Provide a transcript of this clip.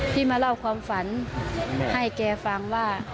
ที่มาเล่าความฝันให้แกฟังว่า